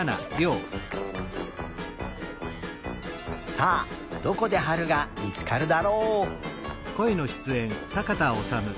さあどこではるがみつかるだろう。